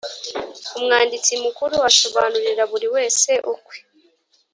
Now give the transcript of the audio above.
umwanditsi mukuru asobanurira buri wese ukwe